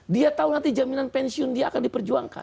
dia tahu nanti jaminan pensiun dia akan diperjuangkan